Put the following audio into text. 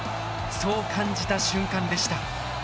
そう感じた瞬間でした。